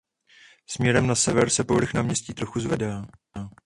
Směrem na sever se povrch náměstí trochu zvedá.